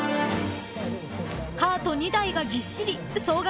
［カート２台がぎっしり総額